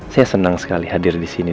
saya senang sekali hadir disini